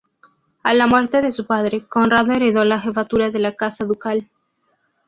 A la muerte de su padre, Conrado heredó la jefatura de la casa ducal.